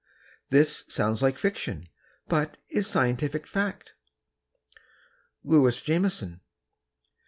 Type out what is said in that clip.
This sounds like fiction, but is scientific fact. Louise Jamison.